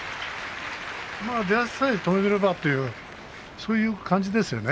出足さえ止めればというそういう感じですよね。